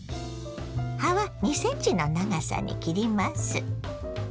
葉は２ｃｍの長さに切ります。